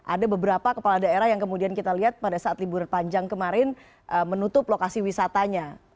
ada beberapa kepala daerah yang kemudian kita lihat pada saat libur panjang kemarin menutup lokasi wisatanya